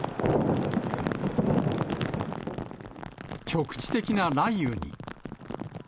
局地的な雷雨に。